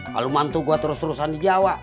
kalau mantu gue terus terusan di jawa